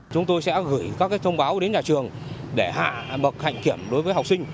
chúng tôi sẽ gửi các thông báo đến nhà trường để hạ bậc hạnh kiểm đối với học sinh